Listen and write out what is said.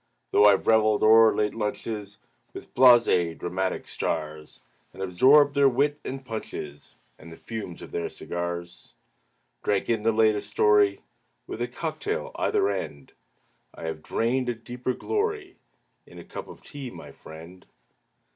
Though I've reveled o'er late lunches With blasé dramatic stars, And absorbed their wit and punches And the fumes of their cigars Drank in the latest story, With a cock tail either end, I have drained a deeper glory In a cup of tea, my friend.